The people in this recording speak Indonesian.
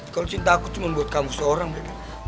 kalo cinta aku cuma buat kamu seorang bebep